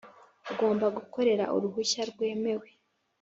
ugomba gukorera uruhushya rwemewe